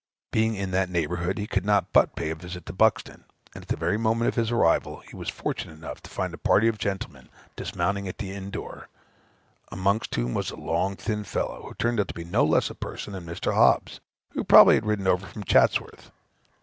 Being in that neighborhood, he could not but pay a visit to Buxton; and at the very moment of his arrival, he was fortunate enough to find a party of gentlemen dismounting at the inn door, amongst whom was a long thin fellow, who turned out to be no less a person than Mr. Hobbes, who probably had ridden over from Chattsworth.